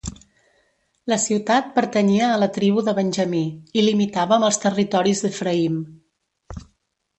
La ciutat pertanyia a la tribu de Benjamí, i limitava amb els territoris d'Efraïm.